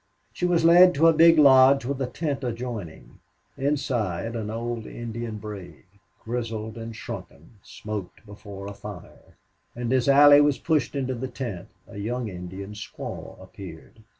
She was led to a big lodge with a tent adjoining. Inside an old Indian brave, grizzled and shrunken, smoked before a fire; and as Allie was pushed into the tent a young Indian squaw appeared.